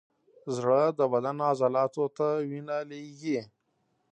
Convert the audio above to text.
زړه د بدن عضلاتو ته وینه لیږي.